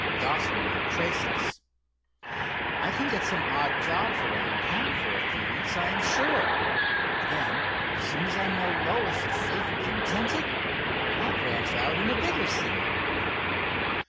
Dawson might trace us. I can get some odd jobs around town for a few weeks, I am sure. Then, soon as I know Lois is safe and contented, I'll branch out in a bigger city."